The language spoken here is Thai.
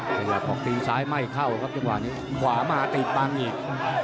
แต่ว่าพอกตีนซ้ายไม่เข้าครับจังหวานี้ขวาม้าติดตามเงียบ